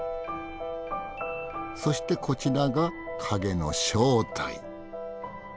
そしてこちらが影の正体。